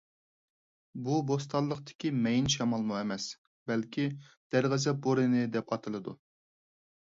بۇ بوستانلىقتىكى مەيىن شامالمۇ ئەمەس. بەلكى «دەرغەزەپ بورىنى» دەپ ئاتىلىدۇ.